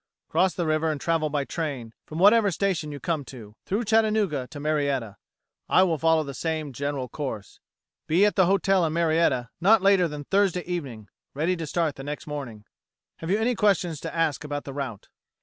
Cross the river and travel by train, from whatever station you come to, through Chattanooga to Marietta. I will follow the same general course. Be at the hotel in Marietta not later than Thursday evening, ready to start the next morning. Have you any questions to ask about the route?"